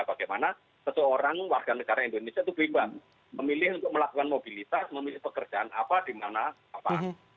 bagaimana seseorang warga negara indonesia itu berimbang memilih untuk melakukan mobilitas memilih pekerjaan apa di mana apa